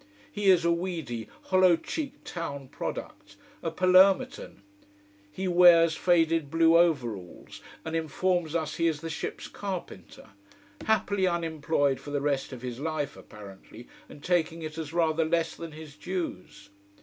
He is a weedy, hollow cheeked town product: a Palermitan. He wears faded blue over alls and informs us he is the ship's carpenter: happily unemployed for the rest of his life, apparently, and taking it as rather less than his dues.